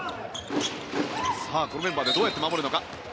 さあ、このメンバーでどうやって守るのか？